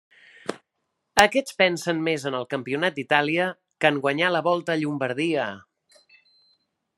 Aquests pensen més en el campionat d'Itàlia que en guanyar la Volta a Llombardia.